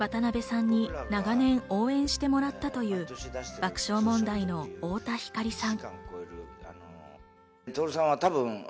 渡辺さんに長年応援してもらったという爆笑問題の太田光さん。